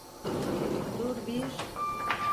Dur bir…